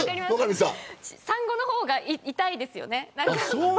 産後の方が痛いですよね。